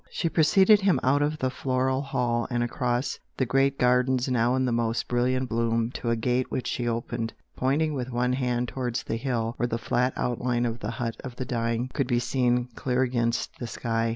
She preceded him out of the "floral hall," and across the great gardens, now in their most brilliant bloom to a gate which she opened, pointing with one hand towards the hill where the flat outline of the "hut of the dying" could be seen clear against the sky.